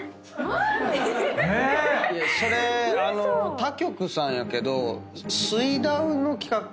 嘘⁉それ他局さんやけど。